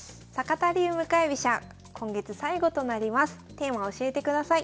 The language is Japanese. テーマ教えてください。